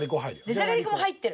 じゃがりこも入ってる。